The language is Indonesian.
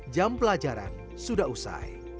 jam pelajaran sudah usai